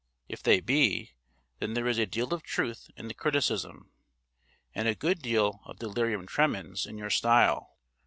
If they be, then there is a deal of truth in the criticism, and a good deal of delirium tremens in your style.